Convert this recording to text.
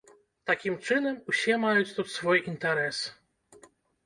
Такім чынам, усе маюць тут свой інтарэс.